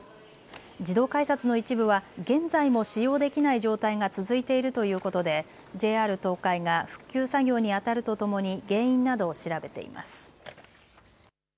自動改札の一部は現在も使用できない状態が続いているということでＪＲ東海が復旧作業にあたるとともに原因などを調べています。